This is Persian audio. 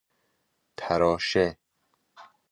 تراشه